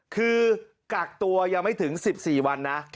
คือกักตัวยังไม่ถึง๑๔วันนะ